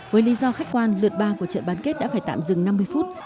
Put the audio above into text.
với lý do khách quan lượt ba của trận bán kết đã phải tạm dừng năm mươi phút